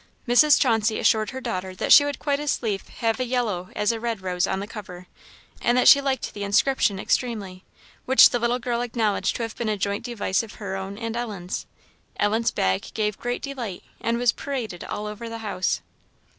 Mrs. Chauncey assured her daughter that she would quite as lief have a yellow as a red rose on the cover, and that she liked the inscription extremely; which the little girl acknowledged to have been a joint device of her own and Ellen's. Ellen's bag gave great delight, and was paraded all over the house.